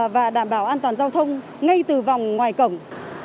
và đảm bảo an toàn giao thông ngay từ vòng ngoài cổng